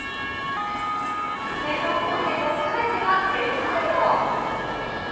製造工程のすべてが手作業。